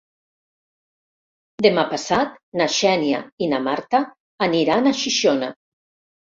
Demà passat na Xènia i na Marta aniran a Xixona.